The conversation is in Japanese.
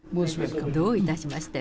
どういたしまして。